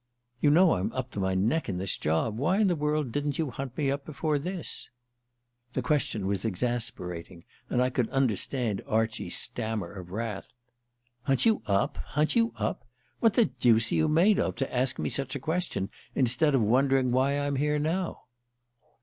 "You know I'm up to my neck in this job. Why in the world didn't you hunt me up before this?" The question was exasperating, and I could understand Archie's stammer of wrath. "Hunt you up? Hunt you up? What the deuce are you made of, to ask me such a question instead of wondering why I'm here now?"